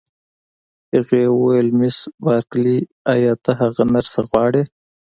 هغې وویل: مس بارکلي، ایا ته هغه نرسه غواړې؟